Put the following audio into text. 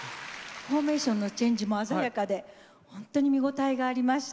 フォーメーションのチェンジも鮮やかでほんとに見応えがありました。